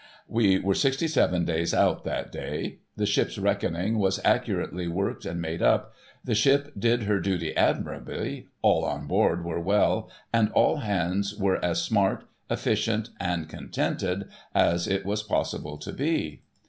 We were sixty seven days out, that day. The ship's reckoning was accurately worked and made up. The ship did her duty admirably, all on board were well, and all hands were as smart, efficient, and contented, as it was possible to be.